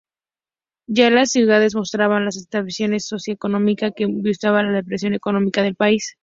Ya las ciudades mostraban la estratificación socioeconómica que vislumbraba la depresión económica del país.